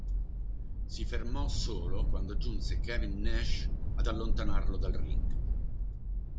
Si fermò solo quando giunse Kevin Nash ad allontanarlo dal ring.